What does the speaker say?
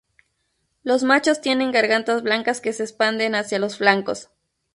Los machos tienen gargantas blancas que se expanden hacia los flancos.